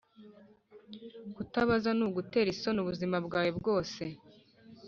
kutabaza ni ugutera isoni ubuzima bwawe bwose.